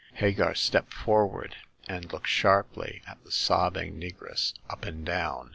Hagar stepped forward, and looked sharply at the sobbing negress up and down.